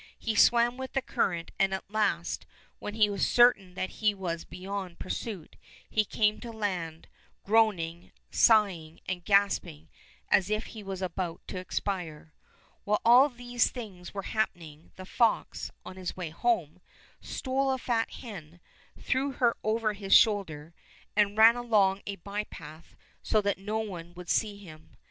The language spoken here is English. He swam with the current, and at last, when he was certain that he was beyond pursuit, he came to land, groaning, sighing, and gasping as if he was about to expire. While all these things were happening, the fox, on his way home, stole a fat hen, threw her over his shoulder, and ran along a bypath so that no one would see him.